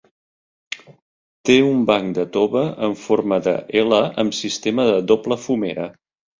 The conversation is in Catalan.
Té un banc de tova en forma d'"L", amb sistema de doble fumera.